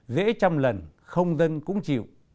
dễ trăm lần không dân cũng chịu